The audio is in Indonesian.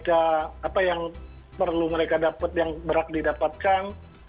apa yang perlu mereka dapat yang berhak didapatkan